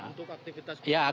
untuk aktivitas perahu